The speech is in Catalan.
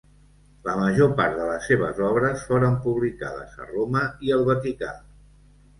La major part de les seves obres foren publicades a Roma i el Vaticà.